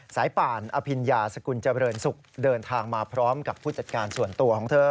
ป่านอภิญญาสกุลเจริญสุขเดินทางมาพร้อมกับผู้จัดการส่วนตัวของเธอ